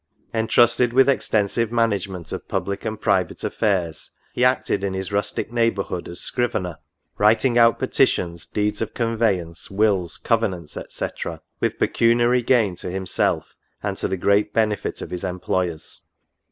Entrusted with extensive management of public and private affairs, he acted in his rustic neighbour hood as scrivener, writing out petitions, deeds of convey ance, wills, covenants, &c. with pecuniary gain to himself,^ and to the great benefit of his employers.